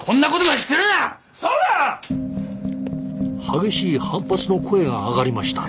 激しい反発の声が上がりました。